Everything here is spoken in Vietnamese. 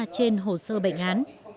trên hồ sơ bệnh án